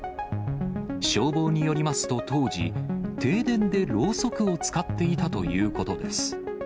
消防によりますと、当時、停電でろうそくを使っていたということです。